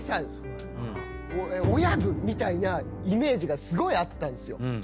みたいなイメージがすごいあったんですよ。